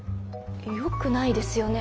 よくないですよね？